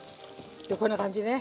こんな感じね。